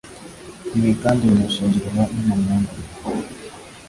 Ibi kandi binashingirwa no mu myambarire